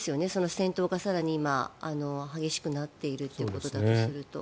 戦闘が更に今、激しくなっているということだとすると。